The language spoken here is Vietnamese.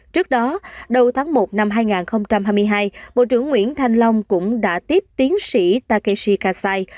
trước đó đầu tháng một năm hai nghìn hai mươi hai bộ trưởng nguyễn thanh long cũng đã tiếp tiến sĩ takeshi kasai